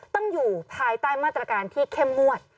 ต้องอยู่ภายใต้มาตรการที่เข้มงวด